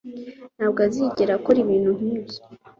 ntabwo azigera akora ibintu nkibyo.